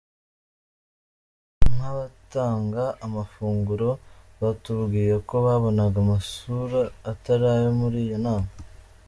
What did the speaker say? Nk’abatanga amafunguro batubwiye ko babonaga amasura atari ayo muri iyo nama.